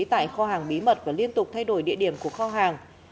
tại kho hàng bí mật và liên tục thay đổi địa điểm của kho hàng